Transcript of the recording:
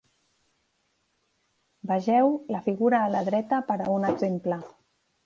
Vegeu la figura a la dreta per a un exemple.